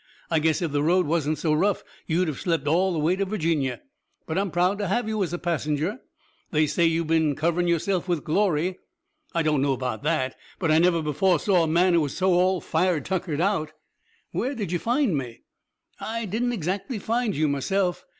I guess if the road wasn't so rough you'd have slept all the way to Virginia. But I'm proud to have you as a passenger. They say you've been coverin' yourself with glory. I don't know about that, but I never before saw a man who was so all fired tuckered out." "Where did you find me?" "I didn't exactly find you myself.